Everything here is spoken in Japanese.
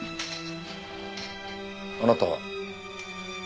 あなたは？